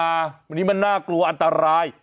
อันนี้มันน่ากลัวอันตราย